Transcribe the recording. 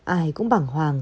ai cũng bằng hoàng